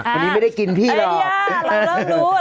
คนนี้ไม่ได้กินพี่หรอก